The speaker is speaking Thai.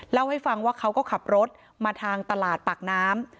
เล่าให้ฟังว่าเขาก็ขับรถมาทางตลาดปากน้ำ